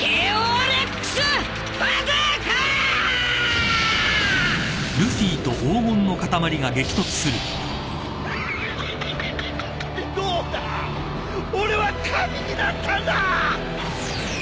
俺は神になったんだ！